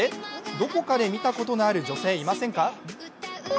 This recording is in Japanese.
どこかで見たことのある女性いませんか？